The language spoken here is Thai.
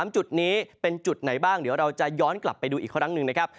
จุดนี้เป็นจุดไหนบ้างเดี๋ยวเราจะย้อนกลับไปดูอีกครั้งหนึ่งนะครับ